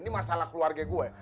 ini masalah keluarga gua